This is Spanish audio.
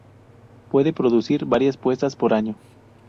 Puede producir varias puestas por año.